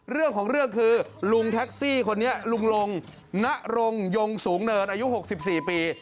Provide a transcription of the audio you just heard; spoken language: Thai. เรื่องของเรื่องคือลุงแท็กซี่คนนี้ลุงลงนรงยงสูงเนินอายุ๖๔ปี